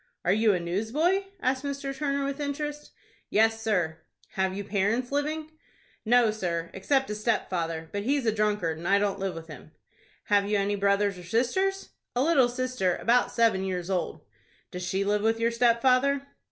"Are you a newsboy?" asked Mr. Turner, with interest. "Yes, sir." "Have you parents living?" "No, sir, except a stepfather; but he's a drunkard, and I don't live with him." "Have you any brothers or sisters?" "A little sister, about seven years old." "Does she live with your stepfather?"